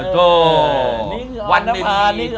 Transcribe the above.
โถ่นี่คือออนนภา